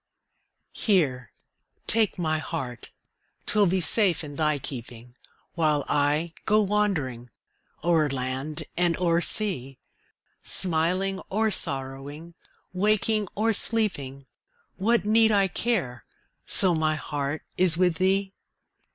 Here, take my heart 'twill be safe in thy keeping, While I go wandering o'er land and o'er sea; Smiling or sorrowing, waking or sleeping, What need I care, so my heart is with thee?